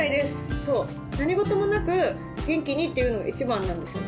そう、何事もなく元気にっていうのが一番なんですよね。